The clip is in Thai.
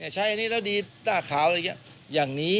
ใช้อันนี้แล้วดีหน้าขาวอะไรอย่างนี้